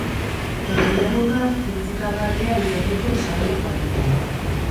Norgehiagoka kitzikagarria izateko osagaiak baditu.